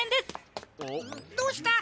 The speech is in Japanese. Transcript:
どうした？